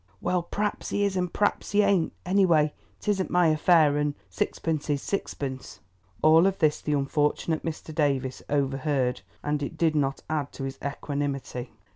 "Well, praps he is and praps he ain't; anyway, it isn't my affair, and sixpence is sixpence." All of this the unfortunate Mr. Davies overheard, and it did not add to his equanimity.